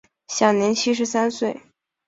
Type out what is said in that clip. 享年七十三岁。